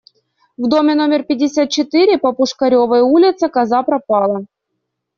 В доме номер пятьдесят четыре по Пушкаревой улице коза пропала.